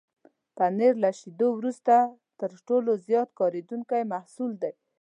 پنېر له شيدو وروسته تر ټولو زیات کارېدونکی محصول دی.